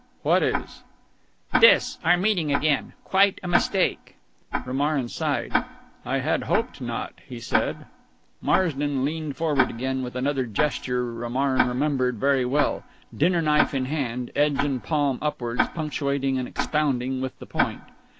"What is?" "This our meeting again. Quite a mistake." Romarin sighed. "I had hoped not," he said. Marsden leaned forward again, with another gesture Romarin remembered very well dinner knife in hand, edge and palm upwards, punctuating and expounding with the point.